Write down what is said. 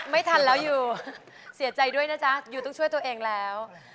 ไม่ทันแล้วยูเสียใจด้วยนะจ๊ะยูต้องช่วยตัวเองแล้ว